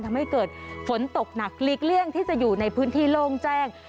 ทำให้เกิดฝนตกหนักหลีกเลี่ยงที่จะอยู่ในพื้นที่โล่งแจ้ง